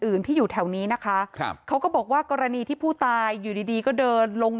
อื่นที่อยู่แถวนี้นะคะครับเขาก็บอกว่ากรณีที่ผู้ตายอยู่ดีดีก็เดินลง